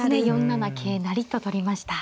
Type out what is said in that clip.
４七桂成と取りました。